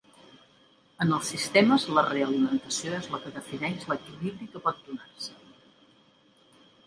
En els sistemes la realimentació és la que defineix l'equilibri que pot donar-se.